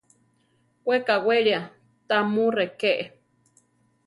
We kawélia ta mu réke.